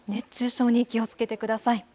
熱中症に気をつけてください。